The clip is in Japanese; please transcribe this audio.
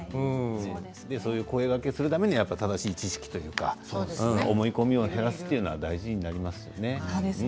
そういう声がけするためには正しい知識、思い込みを減らすのは大事になりますね。